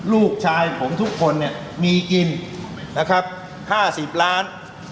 ลูกชายผมทุกคนเนี่ยมีกินนะครับ๕๐ล้าน